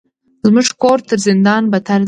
زموږ کور تر زندان بدتر ده.